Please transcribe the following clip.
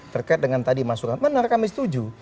terkait dengan tadi mas suratman benar kami setuju